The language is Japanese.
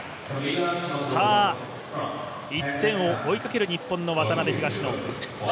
１点を追いかける日本の渡辺・東野。